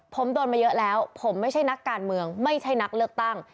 ผมโดนมาเยอะแล้วผมไม่ใช่นักการเมืองไม่ใช่นักเลือกตั้ง